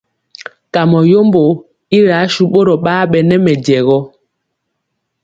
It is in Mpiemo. Kamɔ yombo i ri asu ɓorɔ ɓaa ɓɛ nɛ mɛjɛ gɔ.